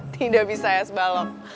tidak bisa ya sebalok